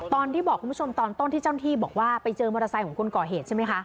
ตอนที่บอกคุณผู้ชมตอนต้นที่เจ้าหน้าที่บอกว่าไปเจอมอเตอร์ไซค์ของคนก่อเหตุใช่ไหมคะ